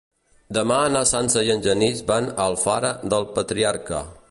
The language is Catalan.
Demà na Sança i en Genís van a Alfara del Patriarca.